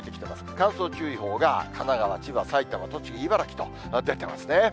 乾燥注意報が、神奈川、千葉、埼玉、栃木、茨城と出てますね。